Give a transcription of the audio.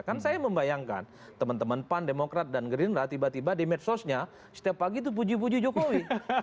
kan saya membayangkan teman teman pan demokrat dan gerindra tiba tiba di medsosnya setiap pagi itu puji puji jokowi